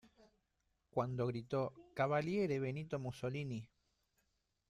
Cuando gritó "¡Cavaliere Benito Mussolini!